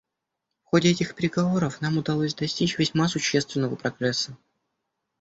В ходе этих переговоров нам удалось достичь весьма существенного прогресса.